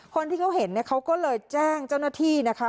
คนที่เขาเห็นเนี่ยเขาก็เลยแจ้งเจ้าหน้าที่นะคะ